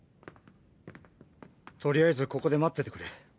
とりあえずここで待っててくれ。